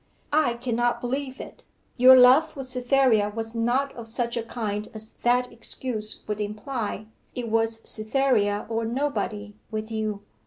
'I cannot believe it. Your love for Cytherea was not of such a kind as that excuse would imply. It was Cytherea or nobody with you.